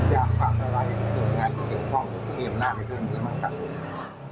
อยากฟังอะไรอย่างงานเกี่ยวข้องที่มันอาจไม่เคยเหมือนกัน